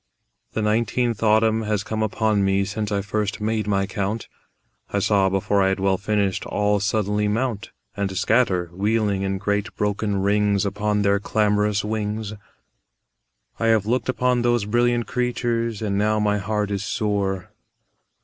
The nineteenth autumn has come upon me Since I first made my count; I saw, before I had well finished, All suddenly mount And scatter wheeling in great broken rings Upon their clamorous wings. I have looked upon those brilliant creatures, And now my heart is sore.